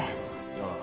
ああ。